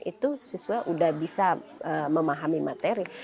itu siswa sudah bisa memahami materi